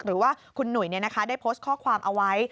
หรือว่าคุณหนุ่ยได้โพสต์ข้อความเอาไว้